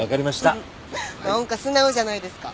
何か素直じゃないですか。